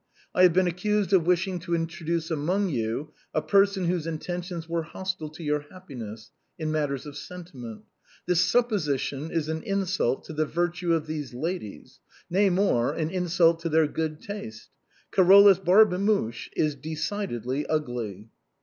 I have been accused of wishing to introduce among you a person whose intentions were hostile to your happiness — in matters of sentiment. This supposition is an insult to the virtue of these ladies — nay more, an insult to their good taste. Carolus Barbemuche is decidedly ugly."